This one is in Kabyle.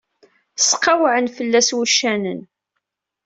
Sqawwɛen fell-as wuccanen.